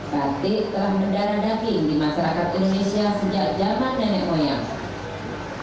batik telah mendadak di masyarakat indonesia sejak zaman nenek koyang